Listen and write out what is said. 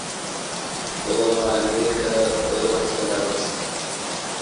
آو الوعی کہ آومڅں دمہ ستہ